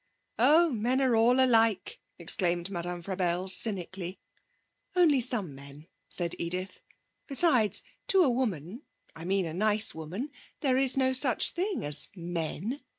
'Oh, men are all alike!' exclaimed Madame Frabelle cynically. 'Only some men,' said Edith. 'Besides, to a woman I mean, a nice woman there is no such thing as men.